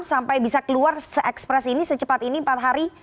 sampai bisa keluar se ekspres ini secepat ini empat hari